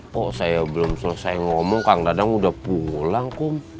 kok saya belum selesai ngomong kang kadang udah pulang kok